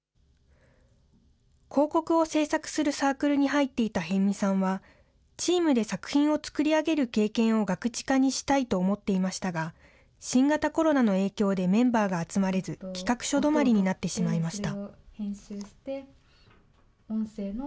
広告を制作するサークルに入っていた逸見さんは、チームで作品を作り上げる経験をガクチカにしたいと思っていましたが、新型コロナの影響でメンバーが集まれず、企画書止まりになってしまいました。